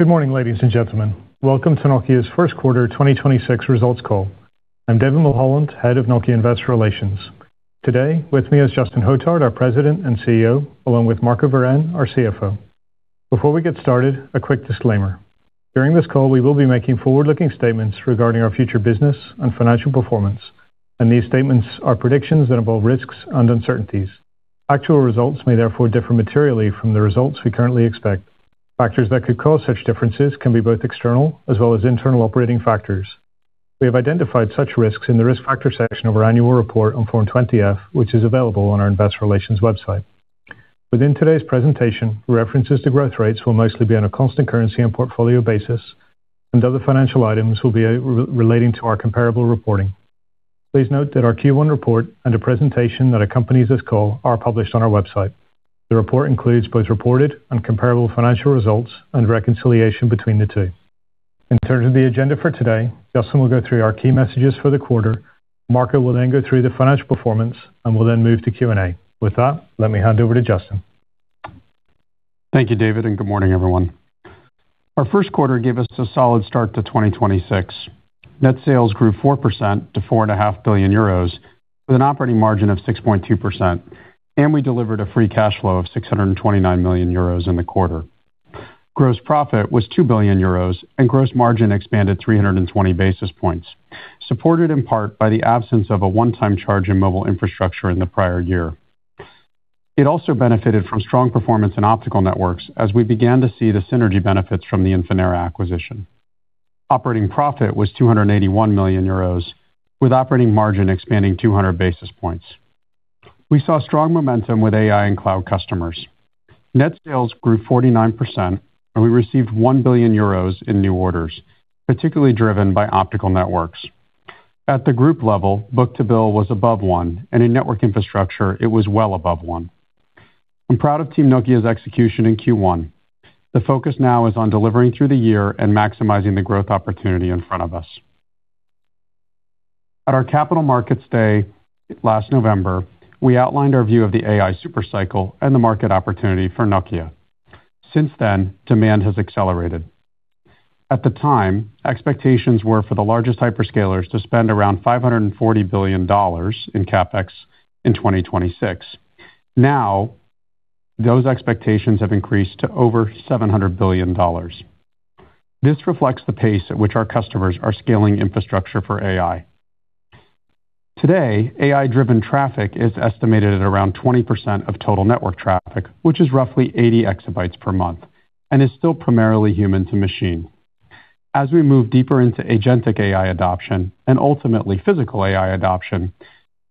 Good morning, ladies and gentlemen. Welcome to Nokia's first quarter 2026 results call. I'm David Mulholland, Head of Investor Relations, Nokia. Today with me is Justin Hotard, our President and CEO, along with Marco Wirén, our CFO. Before we get started, a quick disclaimer. During this call, we will be making forward-looking statements regarding our future business and financial performance, and these statements are predictions that involve risks and uncertainties. Actual results may therefore differ materially from the results we currently expect. Factors that could cause such differences can be both external as well as internal operating factors. We have identified such risks in the risk factor section of our annual report on Form 20-F, which is available on our investor relations website. Within today's presentation, references to growth rates will mostly be on a constant currency and portfolio basis, and other financial items will be relating to our comparable reporting. Please note that our Q1 report and the presentation that accompanies this call are published on our website. The report includes both reported and comparable financial results and reconciliation between the two. In terms of the agenda for today, Justin will go through our key messages for the quarter. Marco will then go through the financial performance, and we'll then move to Q&A. With that, let me hand over to Justin. Thank you, David, and good morning, everyone. Our first quarter gave us a solid start to 2026. Net sales grew 4% to 4.5 billion euros, with an operating margin of 6.2%, and we delivered a free cash flow of 629 million euros in the quarter. Gross profit was 2 billion euros and gross margin expanded 320 basis points, supported in part by the absence of a one-time charge in Mobile Networks in the prior year. It also benefited from strong performance in Optical Networks as we began to see the synergy benefits from the Infinera acquisition. Operating profit was 281 million euros, with operating margin expanding 200 basis points. We saw strong momentum with AI and cloud customers. Net sales grew 49% and we received 1 billion euros in new orders, particularly driven by Optical Networks. At the group level, book-to-bill was above one, and in Network Infrastructure it was well above one. I'm proud of Team Nokia's execution in Q1. The focus now is on delivering through the year and maximizing the growth opportunity in front of us. At our Capital Markets Day last November, we outlined our view of the AI super-cycle and the market opportunity for Nokia. Since then, demand has accelerated. At the time, expectations were for the largest hyperscalers to spend around $540 billion in CapEx in 2026. Now those expectations have increased to over $700 billion. This reflects the pace at which our customers are scaling infrastructure for AI. Today, AI-driven traffic is estimated at around 20% of total network traffic, which is roughly 80 exabytes per month and is still primarily human to machine. As we move deeper into agentic AI adoption and ultimately physical AI adoption,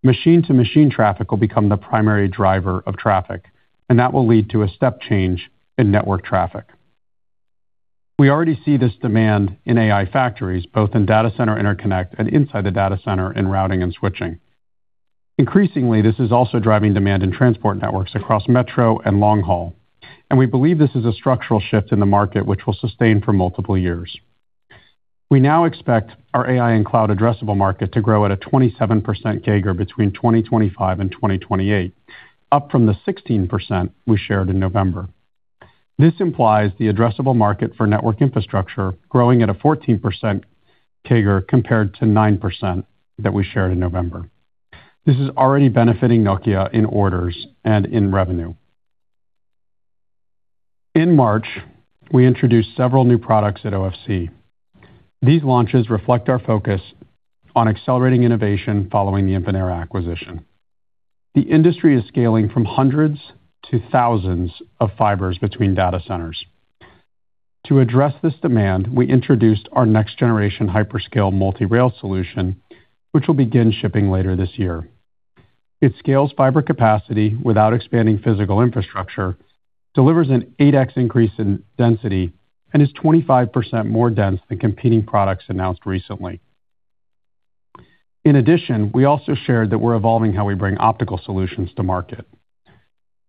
machine-to-machine traffic will become the primary driver of traffic, and that will lead to a step change in network traffic. We already see this demand in AI factories, both in data center interconnect and inside the data center in routing and switching. Increasingly, this is also driving demand in transport networks across metro and long haul, and we believe this is a structural shift in the market which will sustain for multiple years. We now expect our AI and cloud addressable market to grow at a 27% CAGR between 2025 and 2028, up from the 16% we shared in November. This implies the addressable market for Network Infrastructure growing at a 14% CAGR compared to 9% that we shared in November. This is already benefiting Nokia in orders and in revenue. In March, we introduced several new products at OFC. These launches reflect our focus on accelerating innovation following the Infinera acquisition. The industry is scaling from hundreds to thousands of fibers between data centers. To address this demand, we introduced our next generation multi-rail in-line amplifier, which will begin shipping later this year. It scales fiber capacity without expanding physical infrastructure, delivers an 8X increase in density, and is 25% more dense than competing products announced recently. In addition, we also shared that we're evolving how we bring optical solutions to market.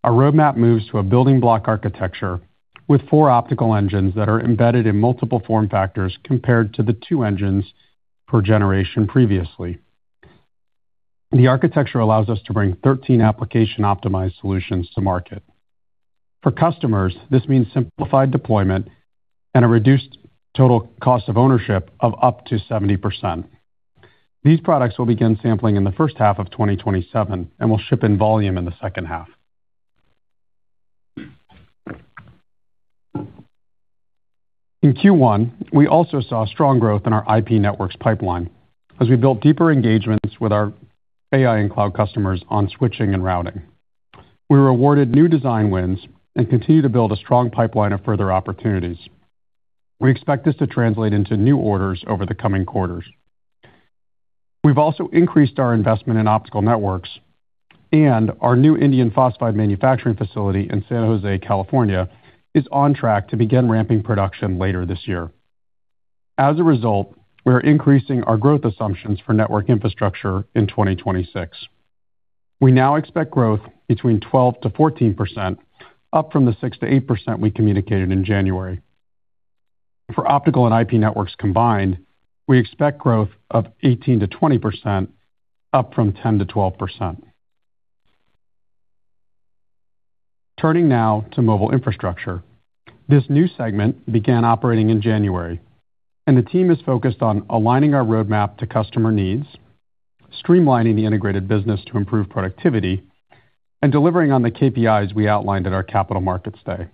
Our roadmap moves to a building block architecture with four optical engines that are embedded in multiple form factors compared to the two engines per generation previously. The architecture allows us to bring 13 application-optimized solutions to market. For customers, this means simplified deployment and a reduced total cost of ownership of up to 70%. These products will begin sampling in the first half of 2027 and will ship in volume in the second half. In Q1, we also saw strong growth in our IP Networks pipeline as we built deeper engagements with our AI and cloud customers on switching and routing. We were awarded new design wins and continue to build a strong pipeline of further opportunities. We expect this to translate into new orders over the coming quarters. We've also increased our investment in Optical Networks and our new indium phosphide manufacturing facility in San Jose, California, is on track to begin ramping production later this year. As a result, we are increasing our growth assumptions for Network Infrastructure in 2026. We now expect growth between 12%-14%, up from the 6%-8% we communicated in January. For Optical and IP Networks combined, we expect growth of 18%-20%, up from 10%-12%. Turning now to Mobile Networks. This new segment began operating in January, and the team is focused on aligning our roadmap to customer needs, streamlining the integrated business to improve productivity, and delivering on the KPIs we outlined at our Capital Markets Day.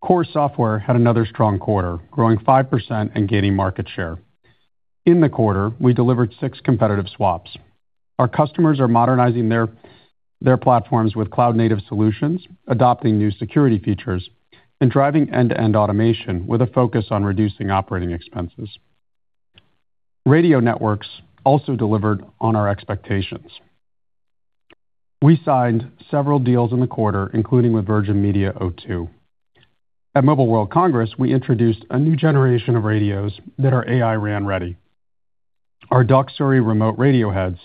Core Software had another strong quarter, growing 5% and gaining market share. In the quarter, we delivered 6 competitive swaps. Our customers are modernizing their platforms with cloud-native solutions, adopting new security features, and driving end-to-end automation with a focus on reducing operating expenses. Radio Networks also delivered on our expectations. We signed several deals in the quarter, including with Virgin Media O2. At Mobile World Congress, we introduced a new generation of radios that are AI RAN ready. Our Doksuri remote radio heads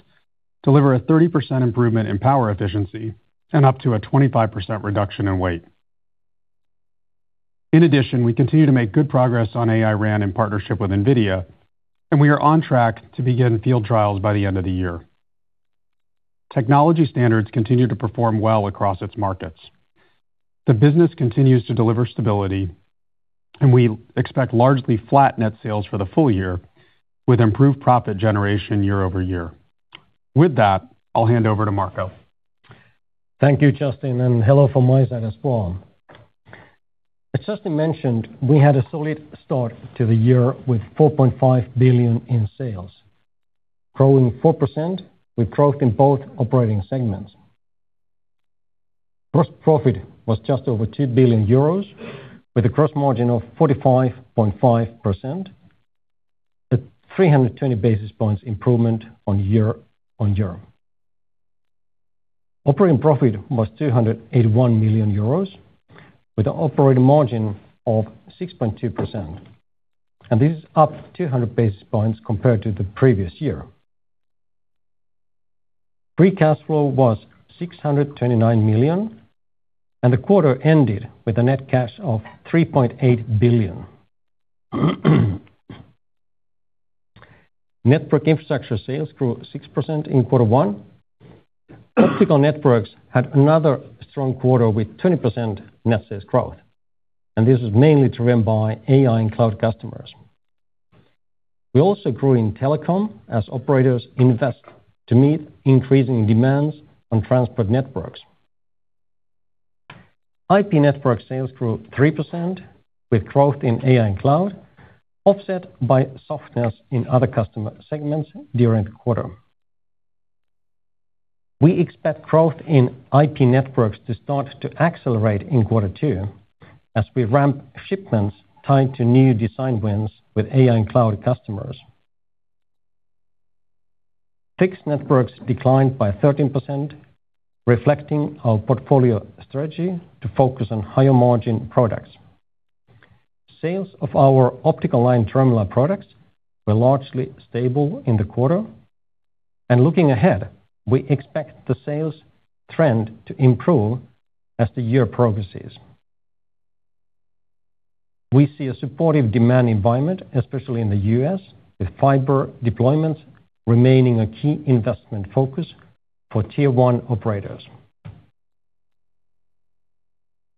deliver a 30% improvement in power efficiency and up to a 25% reduction in weight. In addition, we continue to make good progress on AI RAN in partnership with NVIDIA, and we are on track to begin field trials by the end of the year. Nokia Technologies continues to perform well across its markets. The business continues to deliver stability, and we expect largely flat net sales for the full year with improved profit generation year-over-year. With that, I'll hand over to Marco. Thank you, Justin, and hello from my side as well. As Justin mentioned, we had a solid start to the year with 4.5 billion in sales, growing 4%, with growth in both operating segments. Gross profit was just over 2 billion euros, with a gross margin of 45.5%, a 320 basis points improvement on year-on-year. Operating profit was 281 million euros, with an operating margin of 6.2%, and this is up 200 basis points compared to the previous year. Free cash flow was 629 million, and the quarter ended with a net cash of 3.8 billion. Network Infrastructure sales grew 6% in quarter one. Optical Networks had another strong quarter with 20% net sales growth, and this was mainly driven by AI and cloud customers. We also grew in telecom as operators invest to meet increasing demands on transport networks. IP Networks sales grew 3%, with growth in AI and cloud offset by softness in other customer segments during the quarter. We expect growth in IP Networks to start to accelerate in quarter two as we ramp shipments tied to new design wins with AI and cloud customers. Fixed Networks declined by 13%, reflecting our portfolio strategy to focus on higher margin products. Sales of our Optical Line Terminal products were largely stable in the quarter. Looking ahead, we expect the sales trend to improve as the year progresses. We see a supportive demand environment, especially in the U.S., with fiber deployment remaining a key investment focus for tier one operators.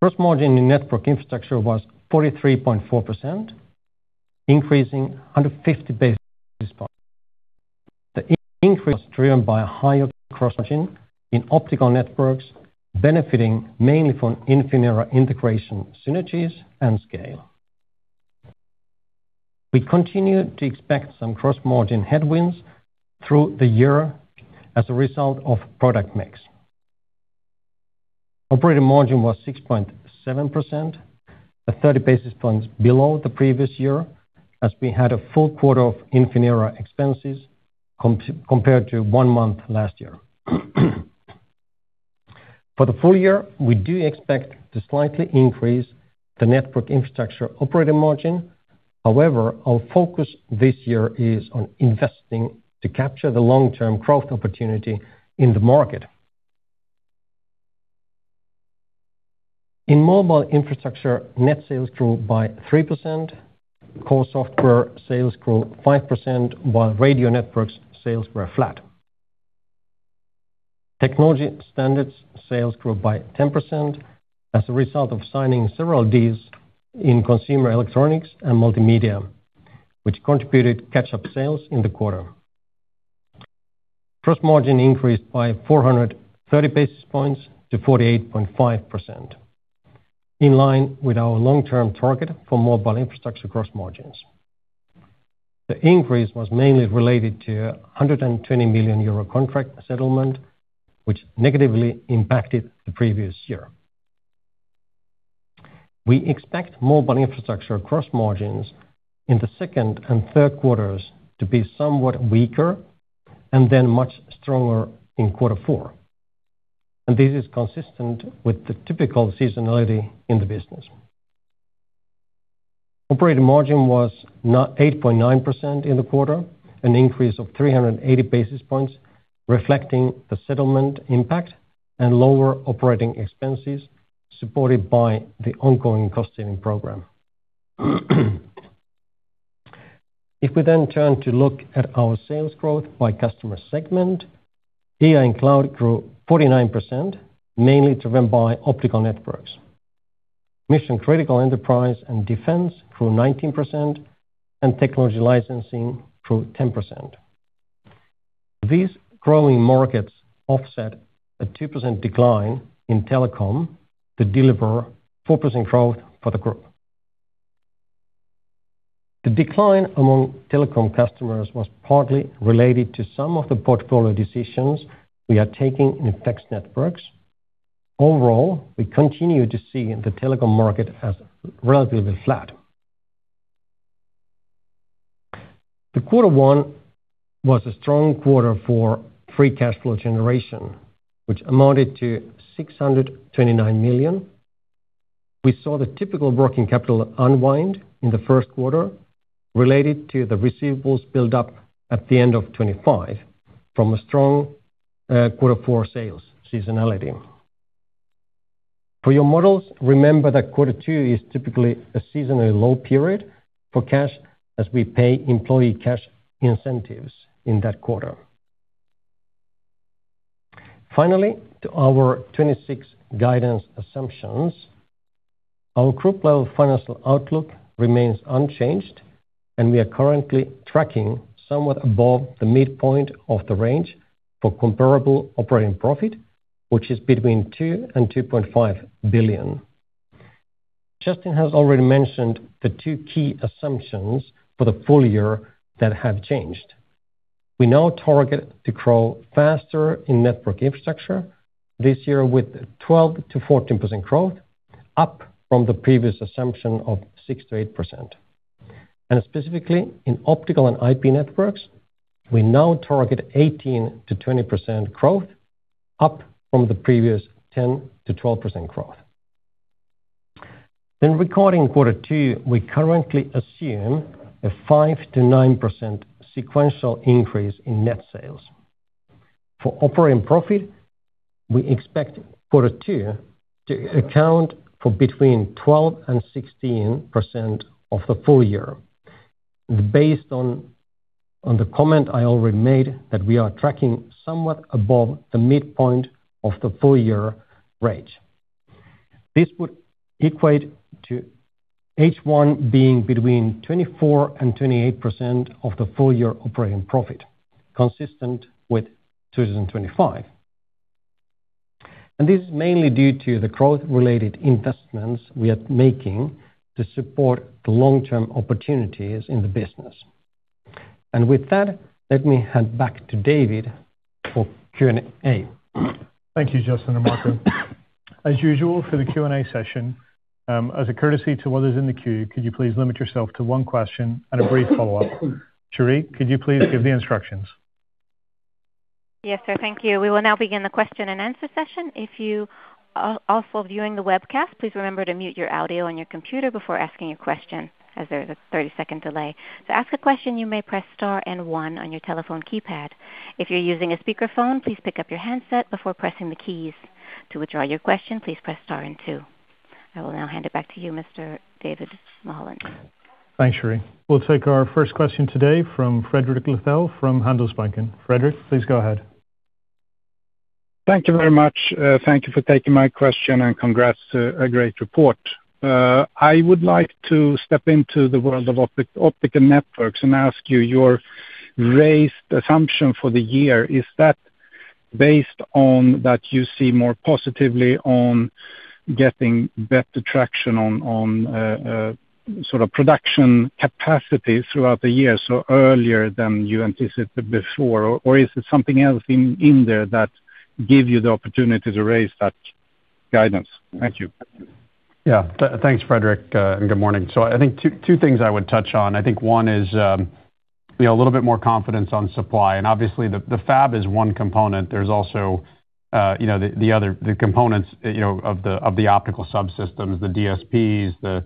Gross margin in Network Infrastructure was 43.4%, increasing 150 basis points. The increase was driven by a higher gross margin in Optical Networks, benefiting mainly from Infinera integration synergies and scale. We continue to expect some gross margin headwinds through the year as a result of product mix. Operating margin was 6.7%, but 30 basis points below the previous year, as we had a full quarter of Infinera expenses compared to one month last year. For the full year, we do expect to slightly increase the Network Infrastructure operating margin. However, our focus this year is on investing to capture the long-term growth opportunity in the market. In Mobile Networks, net sales grew by 3%. Core Software sales grew 5%, while Radio Networks sales were flat. Technology standards sales grew by 10% as a result of signing several deals in consumer electronics and multimedia, which contributed catch-up sales in the quarter. Gross margin increased by 430 basis points to 48.5%, in line with our long-term target for Mobile Networks gross margins. The increase was mainly related to a 120 million euro contract settlement, which negatively impacted the previous year. We expect Mobile Networks gross margins in the second and third quarters to be somewhat weaker and then much stronger in quarter four, and this is consistent with the typical seasonality in the business. Operating margin was 8.9% in the quarter, an increase of 380 basis points, reflecting the settlement impact and lower operating expenses supported by the ongoing cost-saving program. If we then turn to look at our sales growth by customer segment, AI and cloud grew 49%, mainly driven by Optical Networks. Mission-critical enterprise and defense grew 19%, and technology licensing grew 10%. These growing markets offset a 2% decline in telecom to deliver 4% growth for the group. The decline among telecom customers was partly related to some of the portfolio decisions we are taking in Fixed Networks. Overall, we continue to see the telecom market as relatively flat. The quarter one was a strong quarter for free cash flow generation, which amounted to 629 million. We saw the typical working capital unwind in the first quarter related to the receivables build-up at the end of 2025 from a strong quarter four sales seasonality. For your models, remember that quarter two is typically a seasonally low period for cash as we pay employee cash incentives in that quarter. Finally, to our 2026 guidance assumptions. Our group level financial outlook remains unchanged, and we are currently tracking somewhat above the midpoint of the range for comparable operating profit, which is between 2 billion-2.5 billion. Justin has already mentioned the two key assumptions for the full year that have changed. We now target to grow faster in Network Infrastructure this year with 12%-14% growth, up from the previous assumption of 6%-8%. Specifically in Optical and IP Networks, we now target 18%-20% growth up from the previous 10%-12% growth. In Q2, we currently assume a 5%-9% sequential increase in net sales. For operating profit, we expect quarter two to account for between 12% and 16% of the full year. Based on the comment I already made, that we are tracking somewhat above the midpoint of the full year range. This would equate to H1 being between 24% and 28% of the full year operating profit, consistent with 2025. This is mainly due to the growth-related investments we are making to support the long-term opportunities in the business. With that, let me hand back to David for Q&A. Thank you, Justin and Marco. As usual for the Q&A session, as a courtesy to others in the queue, could you please limit yourself to one question and a brief follow-up? Cherie, could you please give the instructions? Yes, sir. Thank you. We will now begin the question and answer session. If you are also viewing the webcast, please remember to mute your audio on your computer before asking a question as there is a 30-second delay. To ask a question, you may press star and 1 on your telephone keypad. If you're using a speakerphone, please pick up your handset before pressing the keys. To withdraw your question, please press star and two. I will now hand it back to you, Mr. David Mulholland. Thanks, Cherie. We'll take our first question today from Fredrik Lithell from Handelsbanken. Fredrik, please go ahead. Thank you very much. Thank you for taking my question and congrats. A great report. I would like to step into the world of Optical Networks and ask you, your raised assumption for the year, is that based on that you see more positively on getting better traction on production capacity throughout the year, so earlier than you anticipated before? Or is it something else in there that give you the opportunity to raise that guidance? Thank you. Yeah. Thanks, Fredrik. Good morning. I think two things I would touch on. I think one is a little bit more confidence on supply, and obviously the fab is one component. There's also the other components of the optical subsystems, the DSPs. That's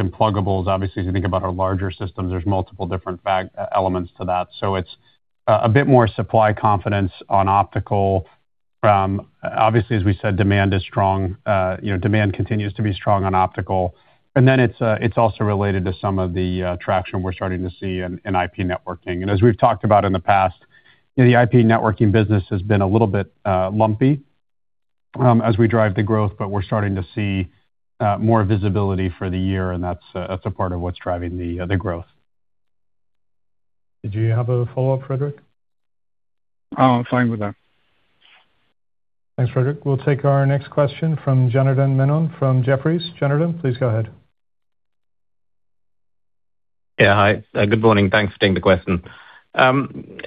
in pluggables. Obviously, as you think about our larger systems, there's multiple different elements to that. It's a bit more supply confidence on optical. Obviously, as we said, demand continues to be strong on optical, and then it's also related to some of the traction we're starting to see in IP networking. As we've talked about in the past, the IP networking business has been a little bit lumpy as we drive the growth, but we're starting to see more visibility for the year, and that's a part of what's driving the growth. Did you have a follow-up, Fredrik? I'm fine with that. Thanks, Fredrik. We'll take our next question from Janardan Menon from Jefferies. Janardan, please go ahead. Yeah. Hi. Good morning. Thanks for taking the question. I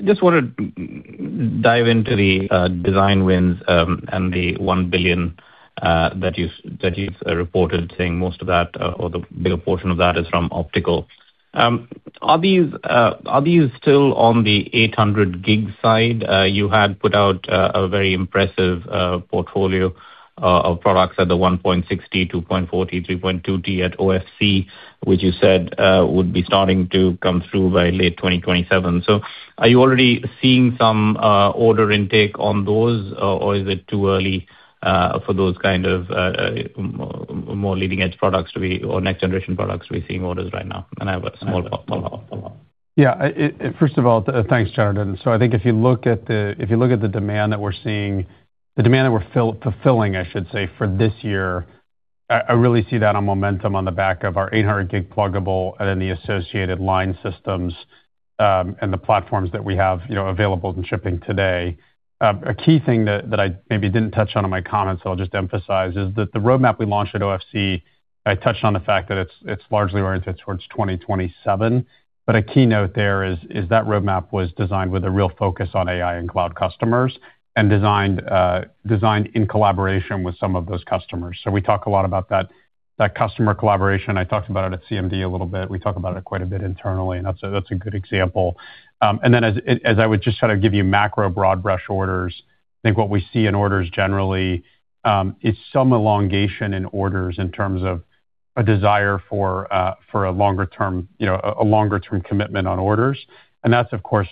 just want to dive into the design wins and the 1 billion that you've reported, saying most of that or the bigger portion of that is from optical. Are these still on the 800G side? You had put out a very impressive portfolio of products at the 1.6T, 2.4T, 3.2T at OFC, which you said would be starting to come through by late 2027. Are you already seeing some order intake on those, or is it too early for those more leading-edge products or next-generation products we're seeing orders right now. I have a small follow-up. Yeah. First of all, thanks, Janardan. I think if you look at the demand that we're seeing, the demand that we're fulfilling, I should say, for this year, I really see momentum on the back of our 800G pluggable and then the associated line systems and the platforms that we have available in shipping today. A key thing that I maybe didn't touch on in my comments, so I'll just emphasize, is that the roadmap we launched at OFC. I touched on the fact that it's largely oriented towards 2027. A key note there is that the roadmap was designed with a real focus on AI and cloud customers, and designed in collaboration with some of those customers. We talk a lot about that customer collaboration. I talked about it at CMD a little bit. We talk about it quite a bit internally, and that's a good example. As I would just sort of give you macro broad brush orders, I think what we see in orders generally is some elongation in orders in terms of a desire for a longer-term commitment on orders. That's of course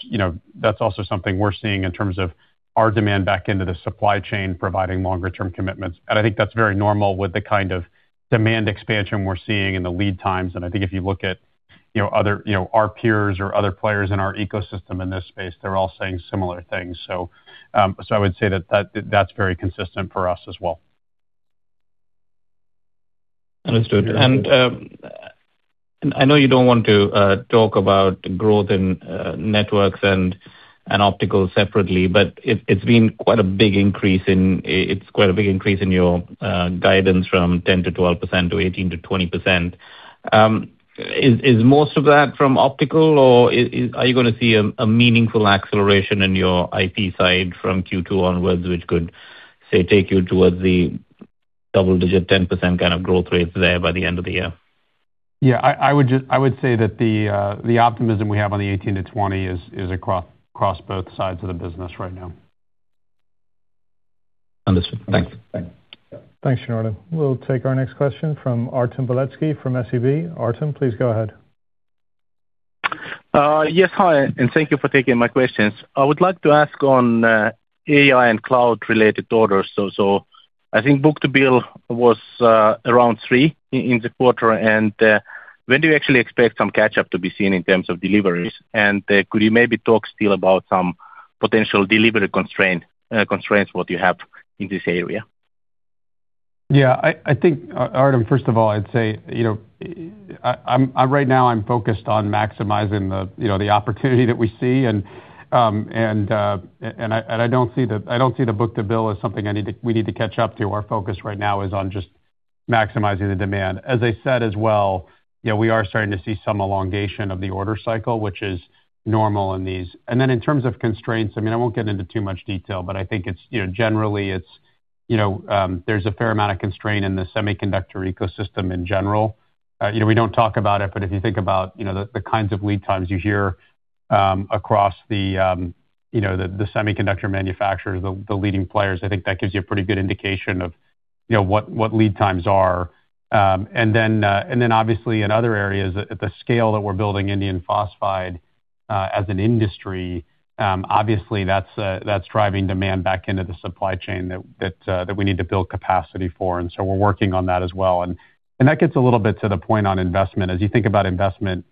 also something we're seeing in terms of our demand back into the supply chain, providing longer term commitments. I think that's very normal with the kind of demand expansion we're seeing in the lead times. I think if you look at our peers or other players in our ecosystem in this space, they're all saying similar things. I would say that's very consistent for us as well. Understood. I know you don't want to talk about growth in networks and optical separately, but it's quite a big increase in your guidance from 10% to 12% to 18% to 20%. Is most of that from optical, or are you going to see a meaningful acceleration in your IP side from Q2 onwards, which could, say, take you towards the double-digit 10% kind of growth rates there by the end of the year? Yeah, I would say that the optimism we have on the 18%-20% is across both sides of the business right now. Understood. Thank you. Thanks, Janardan. We'll take our next question from Artem Beletski from SEB. Artem, please go ahead. Yes. Hi, and thank you for taking my questions. I would like to ask on AI and cloud-related orders. I think book-to-bill was around three in the quarter. When do you actually expect some catch-up to be seen in terms of deliveries? Could you maybe talk still about some potential delivery constraints, what you have in this area? Yeah, I think, Artem, first of all, I'd say, right now I'm focused on maximizing the opportunity that we see, and I don't see the book-to-bill as something we need to catch up to. Our focus right now is on just maximizing the demand. As I said as well, we are starting to see some elongation of the order cycle, which is normal in these. In terms of constraints, I mean, I won't get into too much detail, but I think generally, there's a fair amount of constraint in the semiconductor ecosystem in general. We don't talk about it, but if you think about the kinds of lead times you hear across the semiconductor manufacturers, the leading players, I think that gives you a pretty good indication of what lead times are. Obviously in other areas, at the scale that we're building indium phosphide as an industry, obviously, that's driving demand back into the supply chain that we need to build capacity for. We're working on that as well. That gets a little bit to the point on investment. As you think about investment,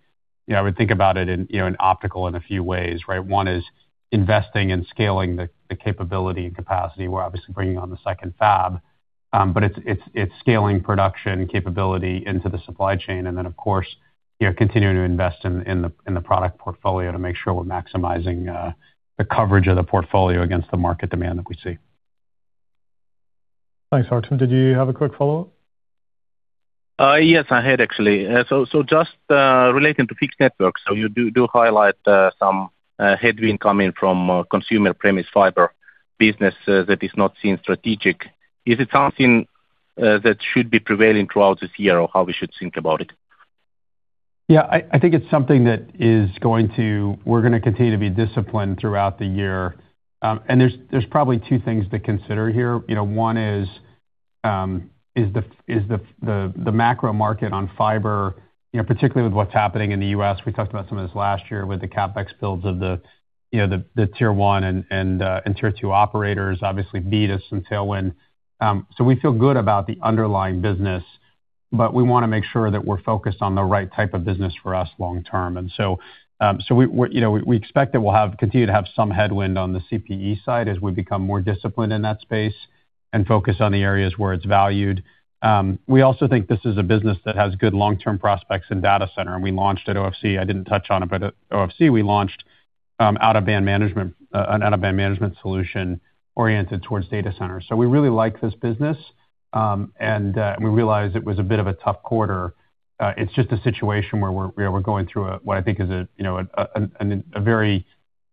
I would think about it in optical in a few ways, right? One is investing in scaling the capability and capacity. We're obviously bringing on the second fab. It's scaling production capability into the supply chain, and then, of course, continuing to invest in the product portfolio to make sure we're maximizing the coverage of the portfolio against the market demand that we see. Thanks, Artem. Did you have a quick follow-up? Yes, I had actually. Just relating to Fixed Networks, you do highlight some headwind coming from consumer premises fiber business that is not seen strategic. Is it something that should be prevailing throughout this year or how we should think about it? Yeah. I think it's something that we're going to continue to be disciplined throughout the year. There's probably two things to consider here. One is the macro market on fiber, particularly with what's happening in the U.S. We talked about some of this last year with the CapEx builds of the tier one and tier two operators, obviously, but it's some tailwind. We feel good about the underlying business, but we want to make sure that we're focused on the right type of business for us long term. We expect that we'll continue to have some headwind on the CPE side as we become more disciplined in that space and focus on the areas where it's valued. We also think this is a business that has good long-term prospects in data center, and we launched at OFC. I didn't touch on it, but at OFC, we launched an out-of-band management solution oriented towards data centers. We really like this business, and we realize it was a bit of a tough quarter. It's just a situation where we're going through what I think is a very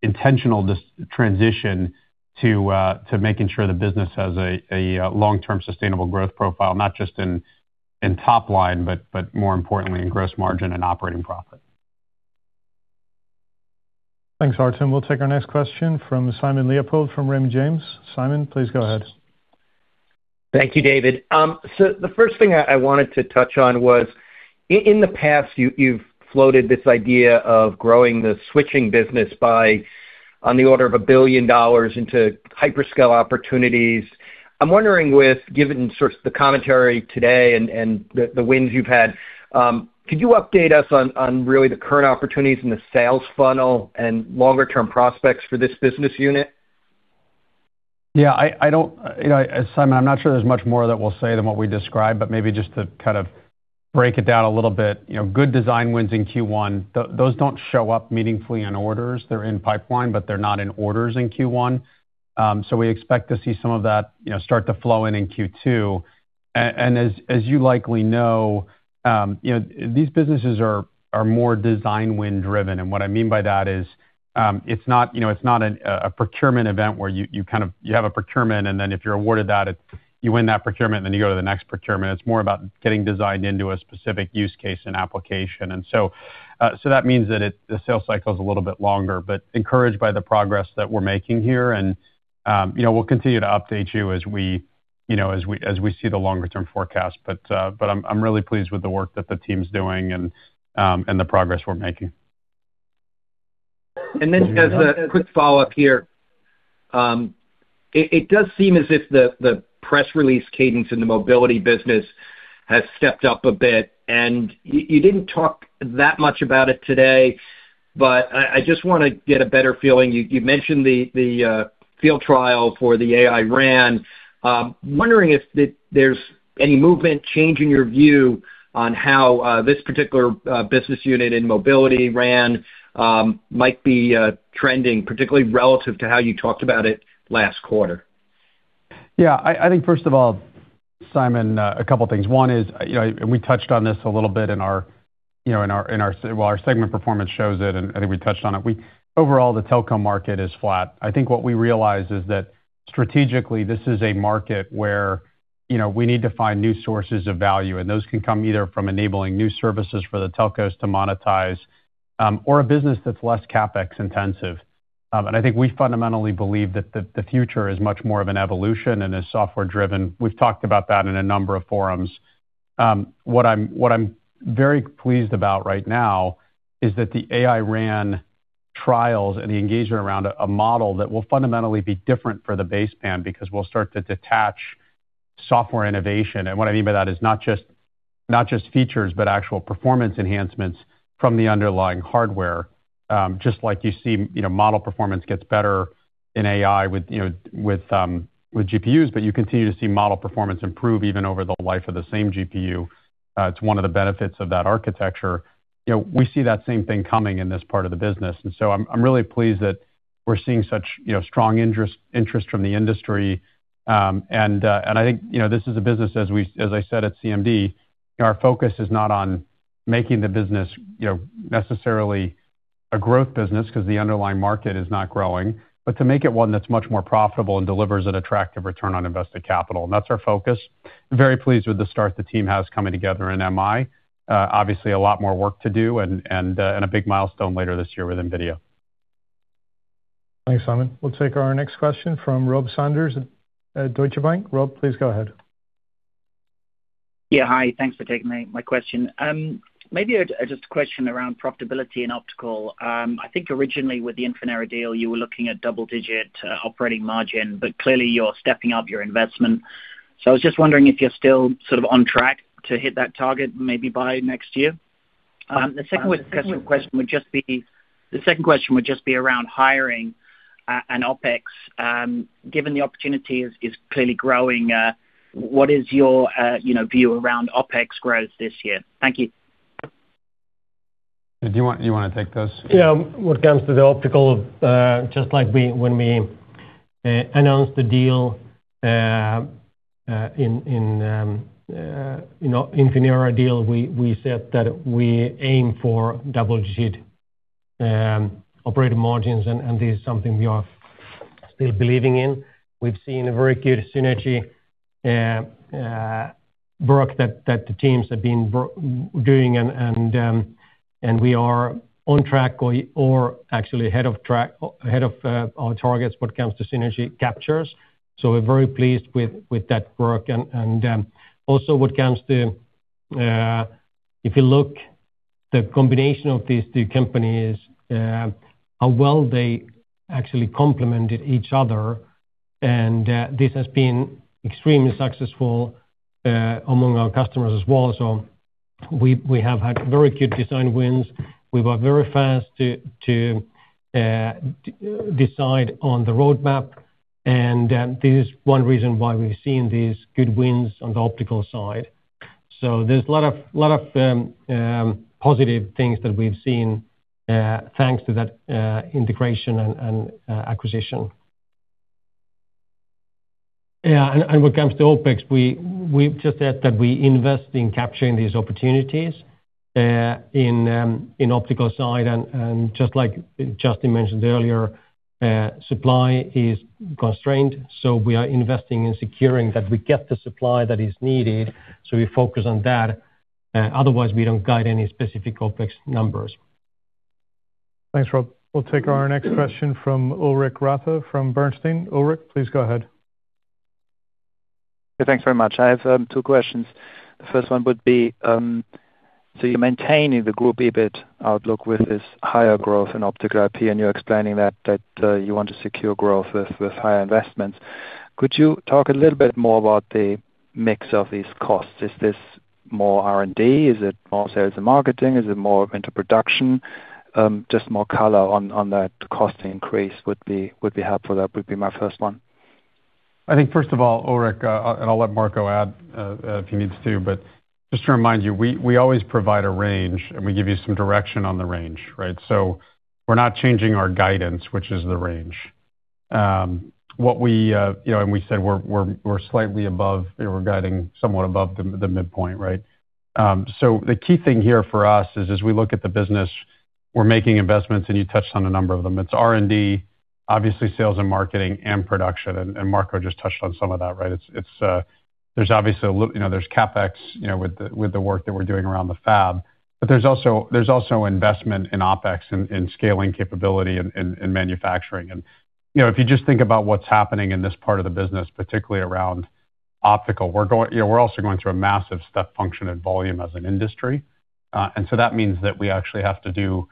intentional transition to making sure the business has a long-term sustainable growth profile, not just in top line, but more importantly in gross margin and operating profit. Thanks, Artem. We'll take our next question from Simon Leopold from Raymond James. Simon, please go ahead. Thank you, David. The first thing I wanted to touch on was in the past, you've floated this idea of growing the switching business by on the order of $1 billion into hyperscale opportunities. I'm wondering with, given sort of the commentary today and the wins you've had, could you update us on really the current opportunities in the sales funnel and longer term prospects for this business unit? Yeah, Simon, I'm not sure there's much more that we'll say than what we described, but maybe just to kind of break it down a little bit. Good design wins in Q1; those don't show up meaningfully in orders. They're in pipeline, but they're not in orders in Q1. We expect to see some of that start to flow in in Q2. As you likely know, these businesses are more design win driven. What I mean by that is, it's not a procurement event where you have a procurement, and then if you're awarded that, you win that procurement, then you go to the next procurement. It's more about getting designed into a specific use case and application. That means that the sales cycle is a little bit longer, but encouraged by the progress that we're making here and we'll continue to update you as we see the longer term forecast. I'm really pleased with the work that the team's doing and the progress we're making. Just a quick follow-up here. It does seem as if the press release cadence in the mobility business has stepped up a bit, and you didn't talk that much about it today, but I just want to get a better feeling. You mentioned the field trial for the AI RAN. I'm wondering if there's any movement change in your view on how this particular business unit in mobility RAN might be trending, particularly relative to how you talked about it last quarter? Yeah. I think first of all, Simon, a couple things. One is, and we touched on this a little bit, well, our segment performance shows it, and I think we touched on it. Overall, the telecom market is flat. I think what we realized is that strategically this is a market where we need to find new sources of value, and those can come either from enabling new services for the telcos to monetize, or a business that's less CapEx intensive. I think we fundamentally believe that the future is much more of an evolution and is software driven. We've talked about that in a number of forums. What I'm very pleased about right now is that the AI RAN trials and the engagement around a model that will fundamentally be different for the baseband because we'll start to detach software innovation. What I mean by that is not just features, but actual performance enhancements from the underlying hardware. Just like you see model performance gets better in AI with GPUs, but you continue to see model performance improve even over the life of the same GPU. It's one of the benefits of that architecture. We see that same thing coming in this part of the business. I'm really pleased that we're seeing such strong interest from the industry. I think, this is a business, as I said, at CMD, our focus is not on making the business necessarily a growth business because the underlying market is not growing, but to make it one that's much more profitable and delivers an attractive return on invested capital. That's our focus. I'm very pleased with the start the team has coming together in MI. Obviously a lot more work to do and a big milestone later this year with NVIDIA. Thanks, Simon. We'll take our next question from Rob Sanders at Deutsche Bank. Rob, please go ahead. Yeah. Hi, thanks for taking my question. Maybe just a question around profitability and optical. I think originally with the Infinera deal, you were looking at double-digit operating margin, but clearly you're stepping up your investment. I was just wondering if you're still sort of on track to hit that target, maybe by next year. The second question would just be around hiring, and OpEx. Given the opportunity is clearly growing, what is your view around OpEx growth this year? Thank you. Do you want to take this? Yeah. When it comes to the optical, just like when we announced the Infinera deal, we said that we aim for double-digit operating margins, and this is something we are still believing in. We've seen a very good synergy work that the teams have been doing, and we are on track or actually ahead of our targets when it comes to synergy captures. We're very pleased with that work. Also when it comes to, if you look at the combination of these two companies, how well they actually complemented each other. This has been extremely successful among our customers as well. We have had very good design wins. We were very fast to decide on the roadmap, and this is one reason why we've seen these good wins on the optical side. There's a lot of positive things that we've seen, thanks to that integration and acquisition. Yeah, when it comes to OpEx, we've just said that we invest in capturing these opportunities in optical side. Just like Justin mentioned earlier, supply is constrained. We are investing in securing that we get the supply that is needed. We focus on that. Otherwise, we don't guide any specific OpEx numbers. Thanks, Rob. We'll take our next question from Ulrich Rathe from Bernstein. Ulrich, please go ahead. Thanks very much. I have two questions. The first one would be, so you're maintaining the group EBIT outlook with this higher growth in Optical IP, and you're explaining that you want to secure growth with higher investments. Could you talk a little bit more about the mix of these costs? Is this more R&D? Is it more sales and marketing? Is it more into production? Just more color on that cost increase would be helpful. That would be my first one. I think first of all, Ulrich, and I'll let Marco add if he needs to, but just to remind you, we always provide a range, and we give you some direction on the range, right? So we're not changing our guidance, which is the range. We said we're slightly above, we're guiding somewhat above the midpoint, right? The key thing here for us is as we look at the business, we're making investments, and you touched on a number of them. It's R&D, obviously sales and marketing, and production, and Marco just touched on some of that, right? There's CapEx with the work that we're doing around the fab. There's also investment in OpEx in scaling capability in manufacturing. If you just think about what's happening in this part of the business, particularly around optical, we're also going through a massive step function in volume as an industry. That means that we actually have to do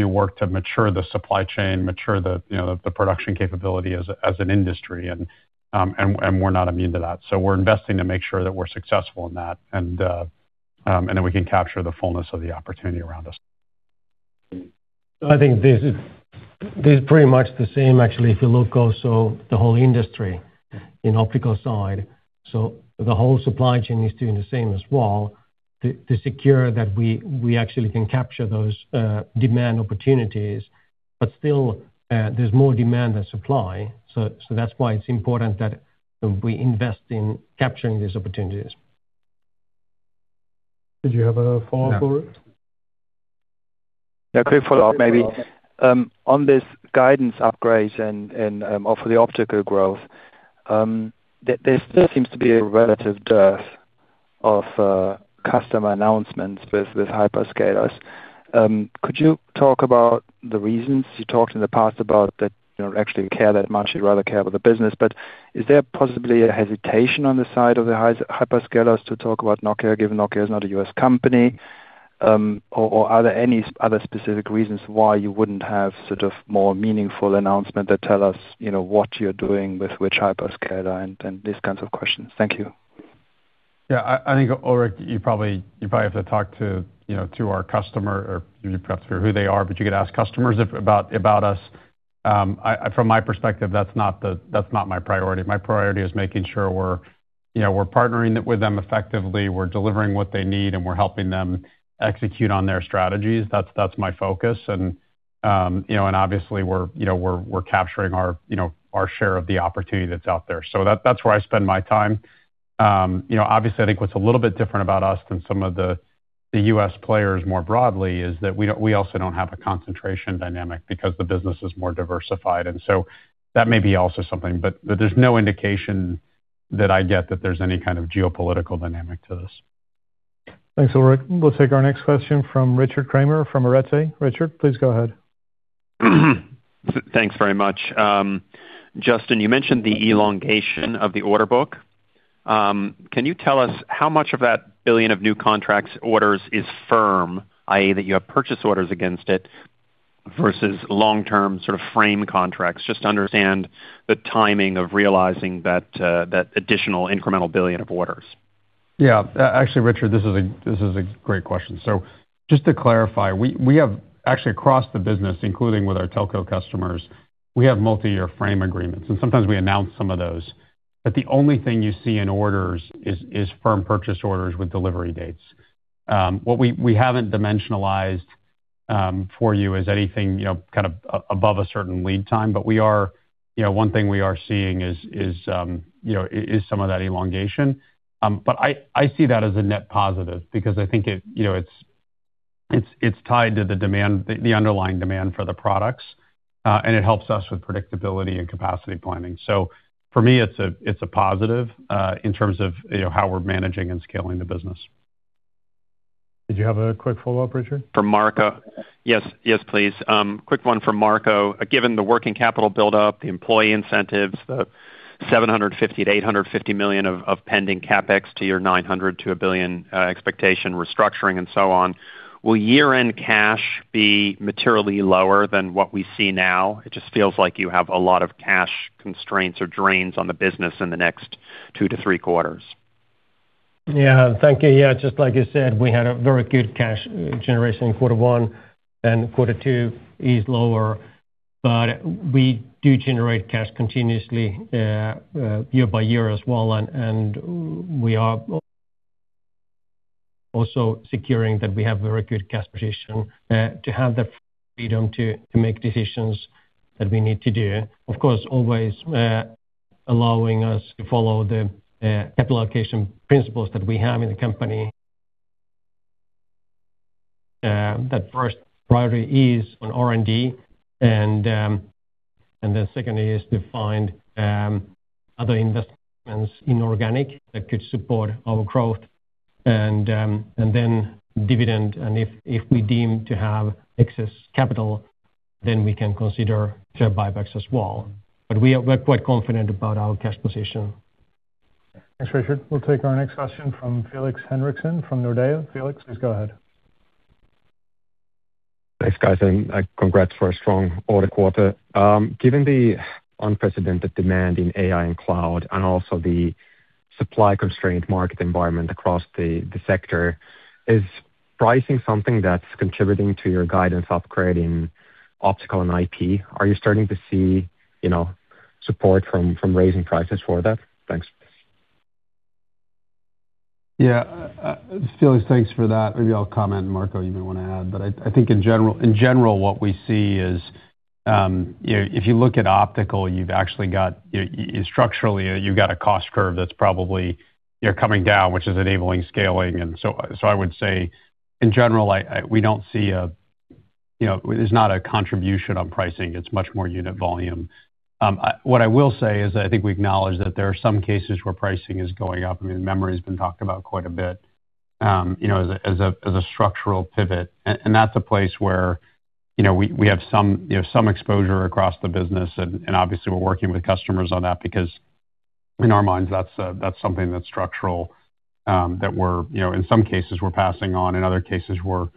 work to mature the supply chain, mature the production capability as an industry. We're not immune to that. We're investing to make sure that we're successful in that, and that we can capture the fullness of the opportunity around us. I think this is pretty much the same, actually, if you look also the whole industry in optical side. The whole supply chain is doing the same as well to secure that we actually can capture those demand opportunities. Still there's more demand than supply. That's why it's important that we invest in capturing these opportunities. Did you have a follow-up, Ulrich? Yeah. A quick follow-up, maybe. On this guidance upgrade and of the optical growth, there still seems to be a relative dearth of customer announcements with hyperscalers. Could you talk about the reasons you talked in the past about that you don't actually care that much, you rather care about the business, but is there possibly a hesitation on the side of the hyperscalers to talk about Nokia, given Nokia is not a U.S. company? Or are there any other specific reasons why you wouldn't have more meaningful announcement that tell us what you're doing with which hyperscaler and these kinds of questions? Thank you. Yeah. I think, Ulrich, you probably have to talk to our customer or perhaps who they are, but you could ask customers about us. From my perspective, that's not my priority. My priority is making sure we're partnering with them effectively, we're delivering what they need, and we're helping them execute on their strategies. That's my focus. Obviously we're capturing our share of the opportunity that's out there. That's where I spend my time. Obviously, I think what's a little bit different about us than some of the U.S. players more broadly is that we also don't have a concentration dynamic because the business is more diversified. That may be also something, but there's no indication that I get that there's any kind of geopolitical dynamic to this. Thanks, Ulrich. We'll take our next question from Richard Kramer from Arete Research. Richard, please go ahead. Thanks very much. Justin, you mentioned the elongation of the order book. Can you tell us how much of that 1 billion of new contracts orders is firm, i.e., that you have purchase orders against it versus long-term sort of frame contracts, just to understand the timing of realizing that additional incremental 1 billion of orders? Yeah. Actually, Richard, this is a great question. Just to clarify, we have actually across the business, including with our telco customers, we have multi-year frame agreements, and sometimes we announce some of those. The only thing you see in orders is firm purchase orders with delivery dates. What we haven't dimensionalized for you is anything above a certain lead time. One thing we are seeing is some of that elongation. I see that as a net positive because I think it's tied to the underlying demand for the products, and it helps us with predictability and capacity planning. For me, it's a positive in terms of how we're managing and scaling the business. Did you have a quick follow-up, Richard? For Marco? Yes, please. Quick one for Marco. Given the working capital buildup, the employee incentives, the 750 million-850 million of pending CapEx to your 900 million-1 billion expectation restructuring and so on, will year-end cash be materially lower than what we see now? It just feels like you have a lot of cash constraints or drains on the business in the next 2-3 quarters. Yeah. Thank you. Yeah, just like you said, we had a very good cash generation in quarter one, and quarter two is lower. We do generate cash continuously year by year as well, and we are also securing that we have very good cash position to have the freedom to make decisions that we need to do. Of course, always allowing us to follow the capital allocation principles that we have in the company. That first priority is on R&D, and then second is to find other investments in organic that could support our growth, and then dividend, and if we deem to have excess capital. Then we can consider share buybacks as well. We're quite confident about our cash position. Thanks, Richard. We'll take our next question from Felix Henriksson from Nordea. Felix, please go ahead. Thanks guys, and congrats for a strong order quarter. Given the unprecedented demand in AI and cloud and also the supply constraint market environment across the sector, is pricing something that's contributing to your guidance upgrade in optical and IP? Are you starting to see support from raising prices for that? Thanks. Felix, thanks for that. Maybe I'll comment, and Marco, you may want to add, but I think in general, what we see is, if you look at optical, structurally, you've got a cost curve that's probably coming down, which is enabling scaling. I would say, in general, it's not a contribution on pricing, it's much more unit volume. What I will say is I think we acknowledge that there are some cases where pricing is going up. I mean, memory's been talked about quite a bit, as a structural pivot. That's a place where we have some exposure across the business, and obviously, we're working with customers on that because in our minds, that's something that's structural, that in some cases we're passing on. In other cases, we're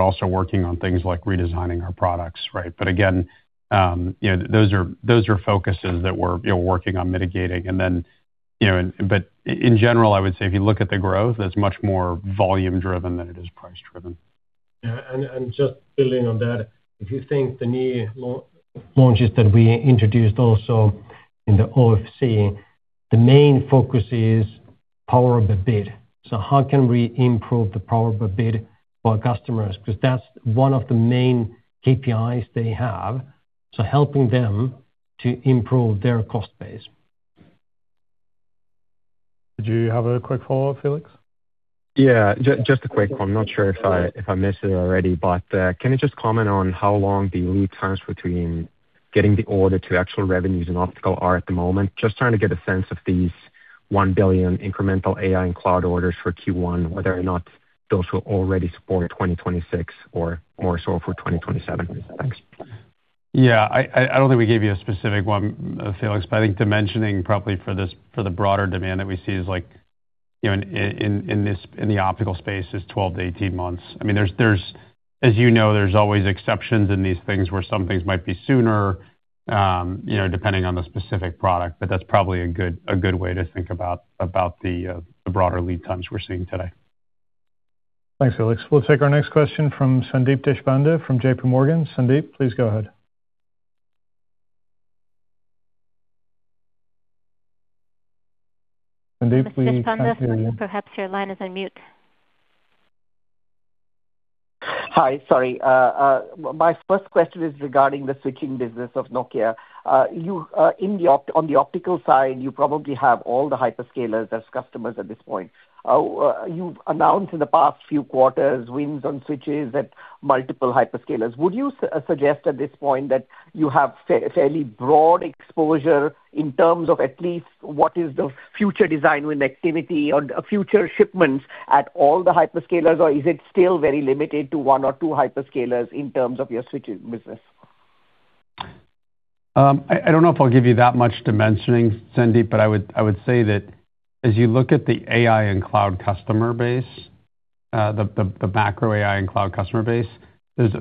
also working on things like redesigning our products, right? Again, those are focuses that we're working on mitigating. In general, I would say if you look at the growth, that's much more volume-driven than it is price-driven. Yeah. Just building on that, if you think the new launches that we introduced also in the OFC, the main focus is power budget. How can we improve the power budget for our customers? Because that's one of the main KPIs they have, helping them to improve their cost base. Did you have a quick follow-up, Felix? Yeah. Just a quick one. I'm not sure if I missed it already, but can you just comment on how long the lead times between getting the order to actual revenues in optical are at the moment? Just trying to get a sense of these 1 billion incremental AI and cloud orders for Q1, whether or not those will already support 2026 or more so for 2027. Thanks. Yeah. I don't think we gave you a specific one, Felix, but I think dimensioning probably for the broader demand that we see is like, in the optical space is 12-18 months. As you know, there's always exceptions in these things where some things might be sooner, depending on the specific product. That's probably a good way to think about the broader lead times we're seeing today. Thanks, Felix. We'll take our next question from Sandeep Deshpande from J.P. Morgan. Sandeep, please go ahead. Sandeep, we can't hear you. Sandeep Deshpande, perhaps your line is on mute. Hi. Sorry. My first question is regarding the switching business of Nokia. On the optical side, you probably have all the hyperscalers as customers at this point. You've announced in the past few quarters wins on switches at multiple hyperscalers. Would you suggest at this point that you have fairly broad exposure in terms of at least what is the future design win activity or future shipments at all the hyperscalers, or is it still very limited to one or two hyperscalers in terms of your switching business? I don't know if I'll give you that much dimensioning, Sandeep, but I would say that as you look at the AI and cloud customer base, the macro AI and cloud customer base, there's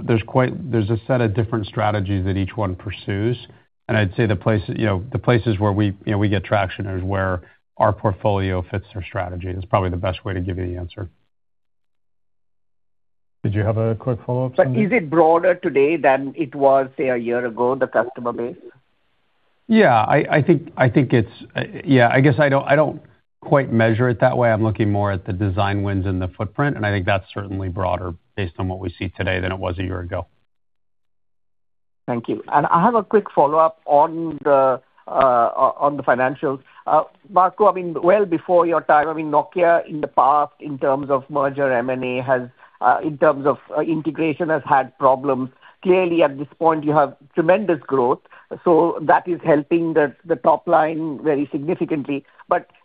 a set of different strategies that each one pursues. I'd say the places where we get traction is where our portfolio fits their strategy. That's probably the best way to give you the answer. Did you have a quick follow-up, Sandeep? Is it broader today than it was, say, a year ago, the customer base? Yeah. I guess I don't quite measure it that way. I'm looking more at the design wins and the footprint, and I think that's certainly broader based on what we see today than it was a year ago. Thank you. I have a quick follow-up on the financials. Marco, well before your time, Nokia in the past, in terms of merger M&A, in terms of integration, has had problems. Clearly, at this point, you have tremendous growth, so that is helping the top line very significantly.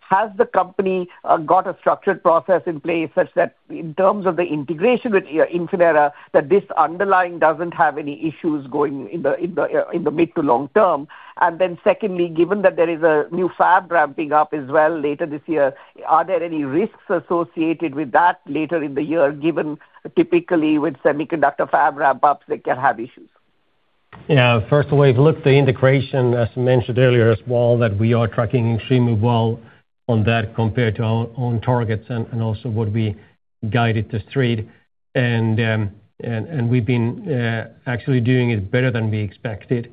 Has the company got a structured process in place such that in terms of the integration with Infinera, that this underlying doesn't have any issues going in the mid- to long-term? Then secondly, given that there is a new fab ramping up as well later this year, are there any risks associated with that later in the year, given typically with semiconductor fab ramp-ups, they can have issues? Yeah. First of all, we've looked at the integration, as mentioned earlier as well, that we are tracking extremely well on that compared to our own targets and also what we guided this trade. We've been actually doing it better than we expected.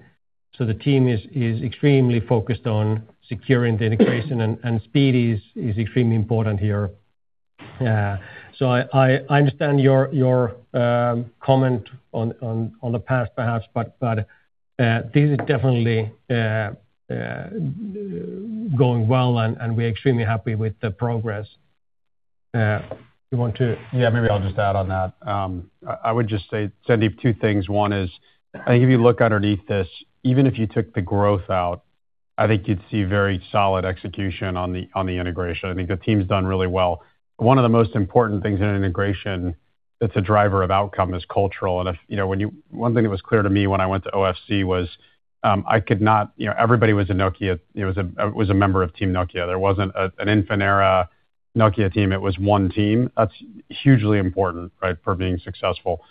The team is extremely focused on securing the integration and speed is extremely important here. I understand your comment on the past perhaps, but this is definitely going well, and we're extremely happy with the progress. Yeah, maybe I'll just add on that. I would just say, Sandeep, two things. One is, I think if you look underneath this, even if you took the growth out, I think you'd see very solid execution on the integration. I think the team's done really well. One of the most important things in an integration that's a driver of outcome is cultural. One thing that was clear to me when I went to OFC was everybody was a member of Team Nokia. There wasn't an Infinera Nokia team. It was one team. That's hugely important for being successful.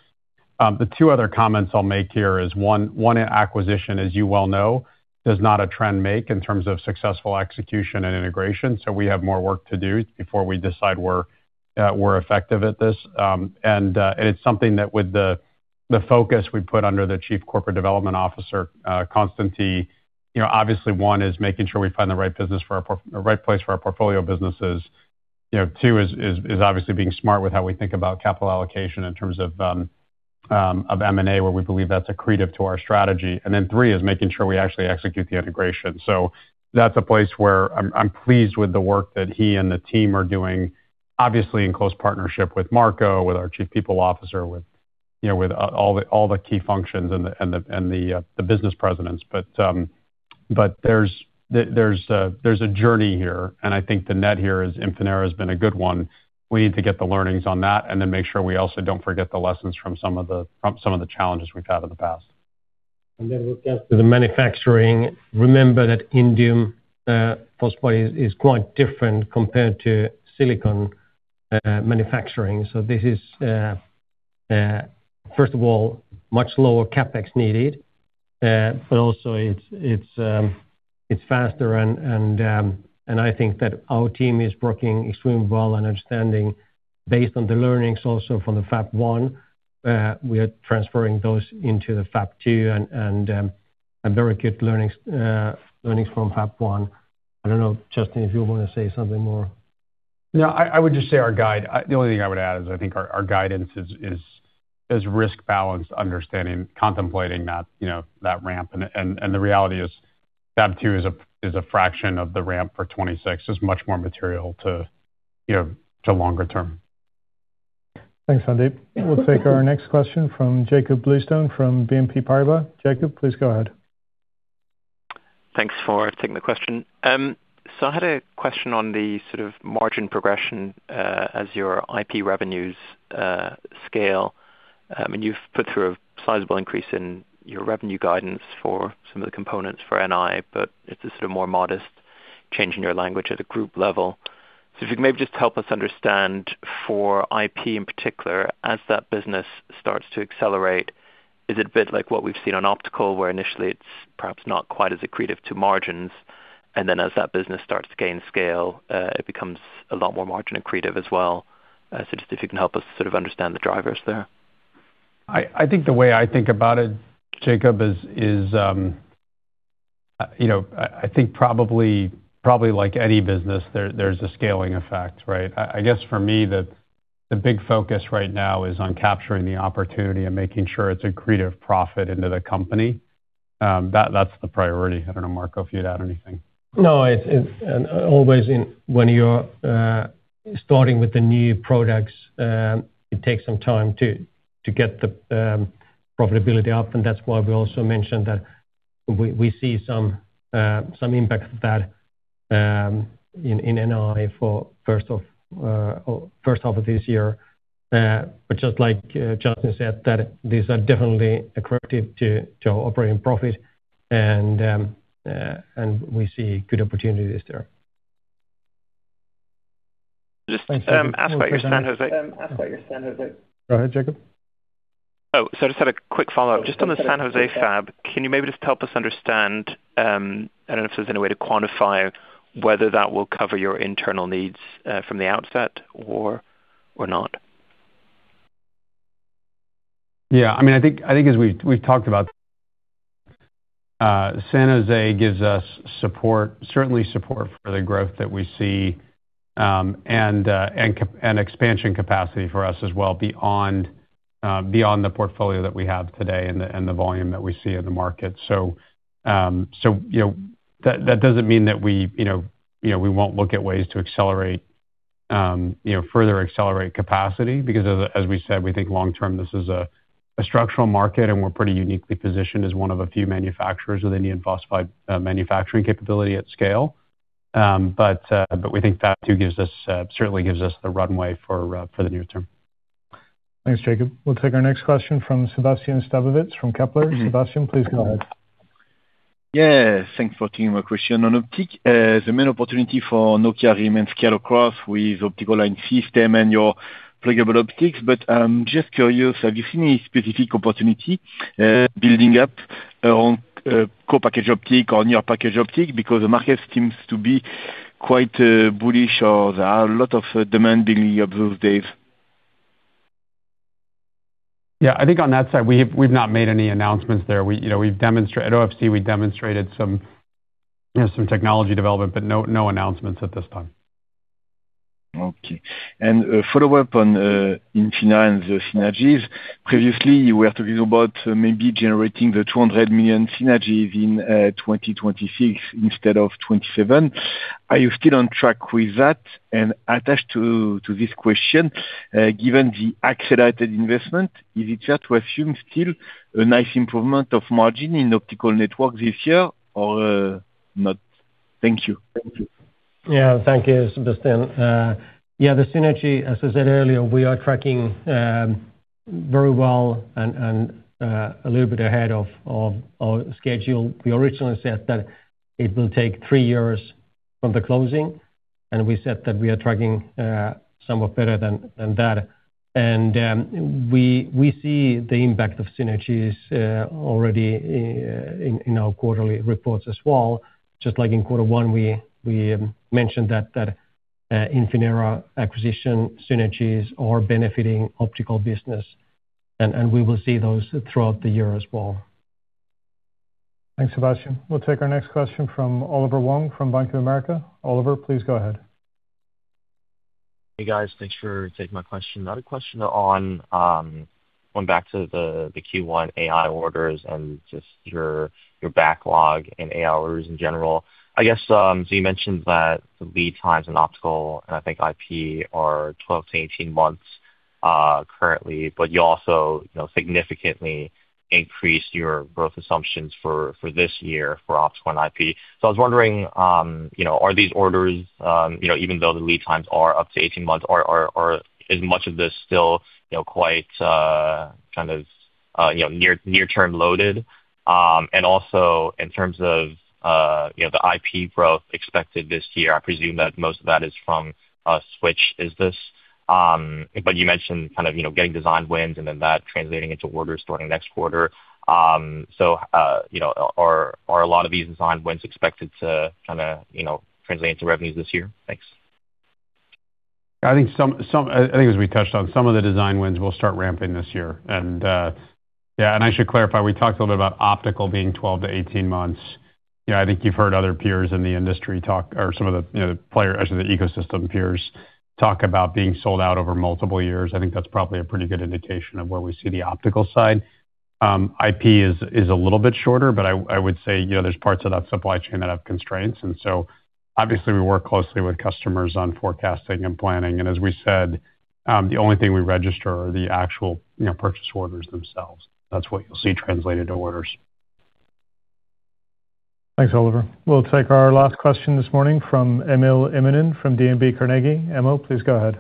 The two other comments I'll make here is, one acquisition, as you well know, does not a trend make in terms of successful execution and integration. We have more work to do before we decide we're effective at this. It's something that with the focus we put under the Chief Corporate Development Officer, Konstanty, obviously one is making sure we find the right place for our portfolio businesses. Two is obviously being smart with how we think about capital allocation in terms of M&A, where we believe that's accretive to our strategy. Three is making sure we actually execute the integration. That's a place where I'm pleased with the work that he and the team are doing, obviously in close partnership with Marco, with our Chief People Officer, with all the key functions and the Business Presidents. There's a journey here, and I think the net here is Infinera has been a good one. We need to get the learnings on that and then make sure we also don't forget the lessons from some of the challenges we've had in the past. Then with the manufacturing, remember that indium phosphide is quite different compared to silicon manufacturing. This is, first of all, much lower CapEx needed. Also it's faster and I think that our team is working extremely well and understanding based on the learnings also from the Fab 1, we are transferring those into the Fab 2 and very good learnings from Fab 1. I don't know, Justin, if you want to say something more. No, I would just say the only thing I would add is I think our guidance is risk balanced understanding, contemplating that ramp. The reality is Fab 2 is a fraction of the ramp for 2026. It's much more material to longer term. Thanks, Sandeep. We'll take our next question from Jakob Bluestone from BNP Paribas. Jakob, please go ahead. Thanks for taking the question. I had a question on the sort of margin progression as your IP revenues scale. I mean, you've put through a sizable increase in your revenue guidance for some of the components for NI, but it's a sort of more modest change in your language at the group level. If you could maybe just help us understand for IP in particular, as that business starts to accelerate, is it a bit like what we've seen on Optical, where initially it's perhaps not quite as accretive to margins, and then as that business starts to gain scale, it becomes a lot more margin accretive as well? Just if you can help us sort of understand the drivers there. I think the way I think about it, Jakob, is I think probably like any business, there's a scaling effect, right? I guess for me, the big focus right now is on capturing the opportunity and making sure it's accretive profit into the company. That's the priority. I don't know, Marco, if you'd add anything. No. Always when you're starting with the new products, it takes some time to get the profitability up. That's why we also mentioned that we see some impact of that in NI for first half of this year. Just like Justin said, that these are definitely accretive to operating profit, and we see good opportunities there. Just ask about your San Jose. Go ahead, Jakob. I just had a quick follow-up. Just on the San Jose Fab, can you maybe just help us understand, I don't know if there's any way to quantify whether that will cover your internal needs from the outset or not? Yeah, I think as we've talked about, San Jose gives us certainly support for the growth that we see and expansion capacity for us as well beyond the portfolio that we have today and the volume that we see in the market. That doesn't mean that we won't look at ways to further accelerate capacity because as we said, we think long term, this is a structural market, and we're pretty uniquely positioned as one of a few manufacturers with indium phosphide manufacturing capability at scale. We think Fab 2 certainly gives us the runway for the near term. Thanks, Jakob. We'll take our next question from Sébastien Sztabowicz from Kepler Cheuvreux. Sébastien, please go ahead. Yeah, thanks for taking my question on optics. The main opportunity for Nokia remains scale across with optical line system and your pluggable optics. I'm just curious, have you seen any specific opportunity building up on co-packaged optics on your packaged optics? Because the market seems to be quite bullish or there are a lot of demand building up these days. Yeah, I think on that side, we've not made any announcements there. At OFC, we demonstrated some technology development, but no announcements at this time. Okay. A follow-up on Infinera and the synergies. Previously, you were talking about maybe generating 200 million synergies in 2026 instead of 2027. Are you still on track with that? Attached to this question, given the accelerated investment, is it fair to assume still a nice improvement of margin in Optical Networks this year or not? Thank you. Yeah. Thank you, Sébastien. Yeah, the synergy, as I said earlier, we are tracking very well and a little bit ahead of our schedule. We originally said that it will take three years from the closing, and we said that we are tracking somewhat better than that. We see the impact of synergies already in our quarterly reports as well. Just like in quarter one, we mentioned that Infinera acquisition synergies are benefiting optical business, and we will see those throughout the year as well. Thanks, Sébastien. We'll take our next question from Oliver Wong from Bank of America. Oliver, please go ahead. Hey, guys. Thanks for taking my question. Another question on going back to the Q1 AI orders and just your backlog and AI orders in general. I guess, so you mentioned that the lead times in optical, and I think IP are 12-18 months currently, but you also significantly increased your growth assumptions for this year for optics core IP. I was wondering, are these orders, even though the lead times are up to 18 months is much of this still quite kind of near term loaded? Also in terms of the IP growth expected this year, I presume that most of that is from a switch. You mentioned kind of getting design wins and then that translating into orders starting next quarter. Are a lot of these design wins expected to translate into revenues this year? Thanks. I think as we touched on, some of the design wins will start ramping this year. I should clarify, we talked a little bit about Optical being 12-18 months. I think you've heard other peers in the industry talk or some of the players, actually, the ecosystem peers talk about being sold out over multiple years. I think that's probably a pretty good indication of where we see the Optical side. IP is a little bit shorter, but I would say there's parts of that supply chain that have constraints, and so obviously we work closely with customers on forecasting and planning. as we said, the only thing we register are the actual purchase orders themselves. That's what you'll see translated to orders. Thanks, Oliver. We'll take our last question this morning from Emil Immonen from DNB Carnegie. Emil, please go ahead.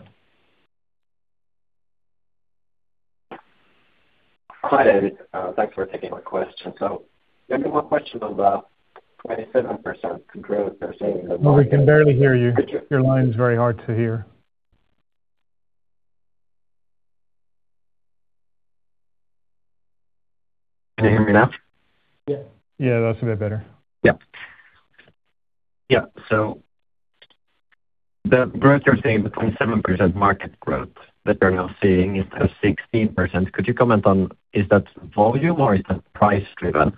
Hi, David. Thanks for taking my question. Maybe one question about 7% growth they're saying. We can barely hear you. Your line is very hard to hear. Can you hear me now? Yeah, that's a bit better. Yeah. The growth you're seeing between 7% market growth that you're now seeing is because 16%. Could you comment on is that volume or is that price driven?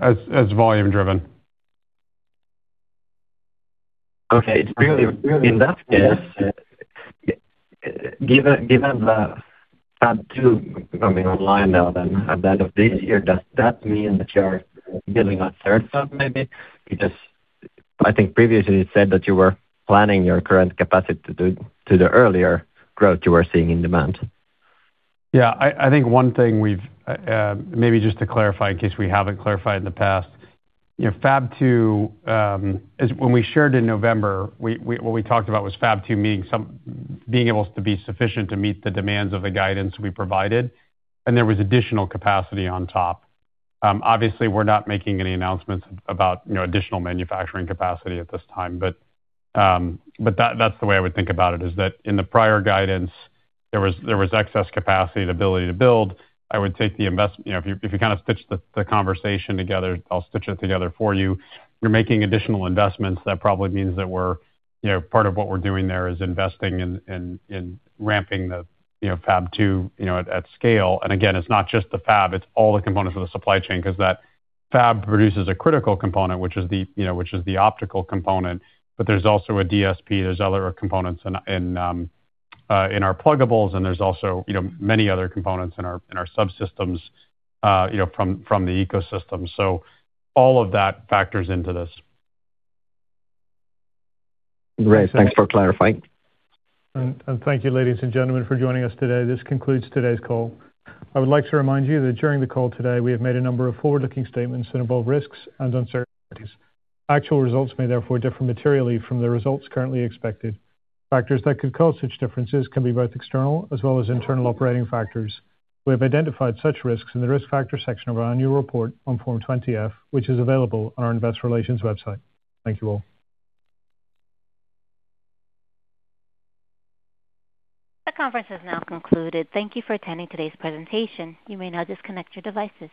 It's volume driven. Okay. In that case, given the Fab 2 coming online now then at the end of this year, does that mean that you're building a third fab maybe? Because I think previously you said that you were planning your current capacity to the earlier growth you were seeing in demand. Yeah. I think one thing we've maybe just to clarify in case we haven't clarified in the past. Fab 2, when we shared in November, what we talked about was Fab 2 being able to be sufficient to meet the demands of the guidance we provided, and there was additional capacity on top. Obviously, we're not making any announcements about additional manufacturing capacity at this time, but that's the way I would think about it, is that in the prior guidance, there was excess capacity and ability to build. I would take. If you kind of stitch the conversation together, I'll stitch it together for you. We're making additional investments. That probably means that part of what we're doing there is investing in ramping the Fab 2 at scale. Again, it's not just the fab, it's all the components of the supply chain, because that fab produces a critical component, which is the optical component. There's also a DSP, there's other components in our pluggables, and there's also many other components in our subsystems from the ecosystem. All of that factors into this. Great. Thanks for clarifying. Thank you, ladies and gentlemen, for joining us today. This concludes today's call. I would like to remind you that during the call today, we have made a number of forward-looking statements that involve risks and uncertainties. Actual results may therefore differ materially from the results currently expected. Factors that could cause such differences can be both external as well as internal operating factors. We have identified such risks in the risk factor section of our annual report on Form 20-F, which is available on our investor relations website. Thank you all. The conference has now concluded. Thank you for attending today's presentation. You may now disconnect your devices.